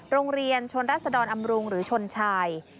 โรงเรียนชนรัศดรอำรุงหรือชนชาย